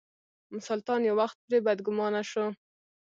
سلطان یو وخت پرې بدګومانه شو.